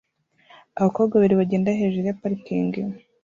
Abakobwa babiri bagenda hejuru ya parikingi